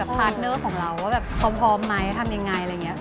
พาร์ทเนอร์ของเราว่าแบบเขาพร้อมไหมทำยังไงอะไรอย่างนี้